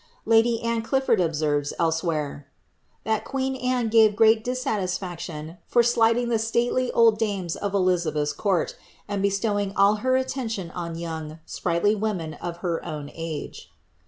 Lady Anne Clifford observes, elsewhere, ^that queen Anne gave great dissatisfaction for slighting the stately old dames of Elizabeth's court, and bestowing all her attention on young, sprightly women of her own age."